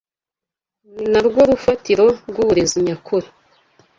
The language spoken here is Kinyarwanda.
ni na rwo rufatiro rw’Uburezi nyakuri